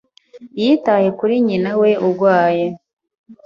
yitaye kuri nyinawe urwaye.